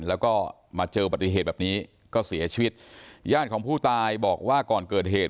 แล้วก็มาเจอปฏิเหตุแบบนี้ก็เสียชีวิตญาติของผู้ตายบอกว่าก่อนเกิดเหตุ